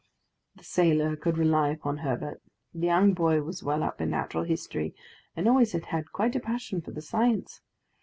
The sailor could rely upon Herbert; the young boy was well up in natural history, and always had had quite a passion for the science.